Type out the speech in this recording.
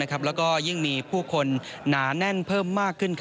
แล้วก็ยิ่งมีผู้คนหนาแน่นเพิ่มมากขึ้น